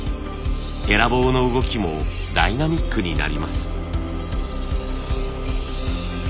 ヘラ棒の動きもダイナミックになります。